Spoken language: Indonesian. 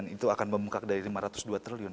itu akan membengkak dari lima ratus dua triliun